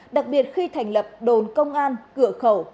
đặc biệt khi thành lập đồn công an cửa khẩu